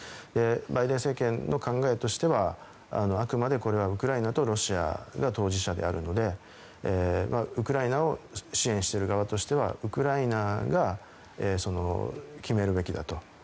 バイデン政権の考えとしてはあくまで、これはウクライナとロシアが当事者であるのでウクライナを支援している側としてはウクライナが決めるべきだと。